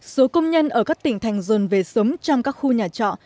số công nhân ở các tỉnh thành dồn về sống trong các khu nhà trọ